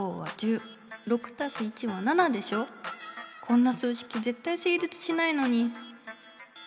こんな数式ぜったい成立しないのに。